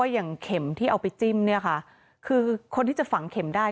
อย่างเข็มที่เอาไปจิ้มเนี่ยค่ะคือคนที่จะฝังเข็มได้